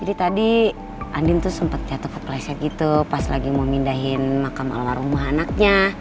jadi tadi andin tuh sempat jatuh ke klesnya gitu pas lagi mau mindahin makam ala rumah anaknya